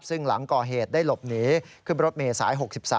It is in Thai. ซึ่งหลังก่อเหตุได้หลบหนีขึ้นรถเมษาย๖๓